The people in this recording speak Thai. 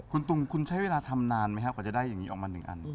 คุณตุงคุณใช้เวลาทำนานไหมครับกว่าจะได้อย่างนี้ออกมา๑อัน